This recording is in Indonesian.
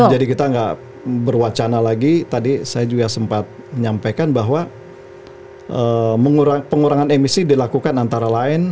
jadi kita nggak berwacana lagi tadi saya juga sempat menyampaikan bahwa pengurangan emisi dilakukan antara lain